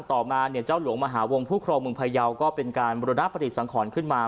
ต่อมาเจ้าหลวงมคมพเยาว์ก็เป็นการบรรณปะติสังขรน์ขึ้นมา